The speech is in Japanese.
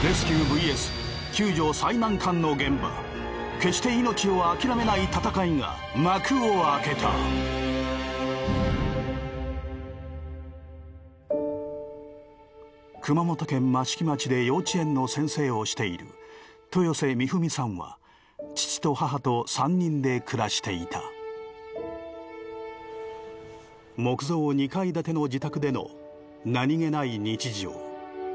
決して命を諦めない戦いが幕を開けた熊本県益城町で幼稚園の先生をしている豊世美文さんは父と母と３人で暮らしていた木造２階建ての自宅での何気ない日常